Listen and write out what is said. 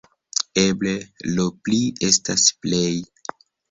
Eble 'lo pli' estas 'plej'.